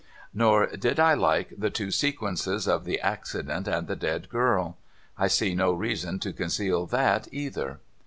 Nor did I like the two sequences of the accident and the dead girl. I see no reason to conceal that either.